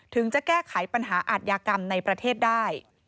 จะแก้ไขปัญหาอาทยากรรมในประเทศได้